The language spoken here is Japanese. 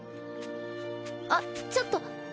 あっちょっと。